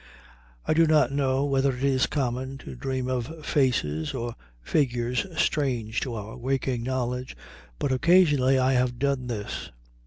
I do not know whether it is common to dream of faces or figures strange to our waking knowledge, but occasionally I have done this.